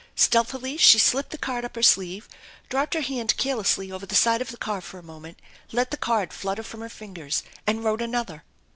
Stealthily she slipped the card up her sleeve, dropped her hand carelessly over the side of the car for a moment, let the card flutter from her fingers, and wrote another.